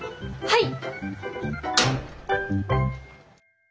はい！